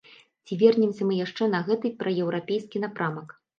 Ці вернемся мы яшчэ на гэты праеўрапейскі напрамак?